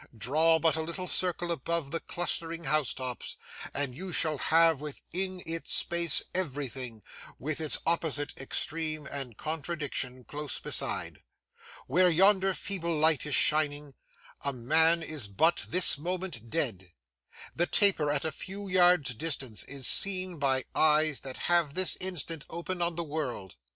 Draw but a little circle above the clustering housetops, and you shall have within its space everything, with its opposite extreme and contradiction, close beside. Where yonder feeble light is shining, a man is but this moment dead. The taper at a few yards' distance is seen by eyes that have this instant opened on the world.